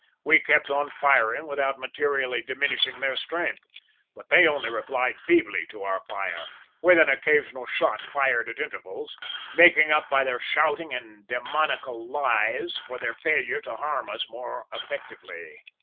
We kept on firing without materially diminishing their strength, but they only replied feebly to our fire, with an occasional shot fired at intervals, making up by their shouting and demoniacal yells for their failure to harm us more effectively.